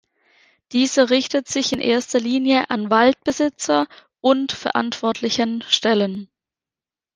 Dieser richtet sich in erster Linie an Waldbesitzer und verantwortlichen Stellen.